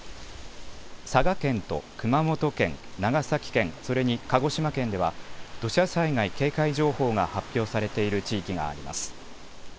佐賀県と熊本県、長崎県、それに鹿児島県では、土砂災害警戒情報が発表されている地域があります。